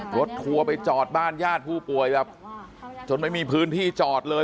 ทัวร์ไปจอดบ้านญาติผู้ป่วยแบบจนไม่มีพื้นที่จอดเลย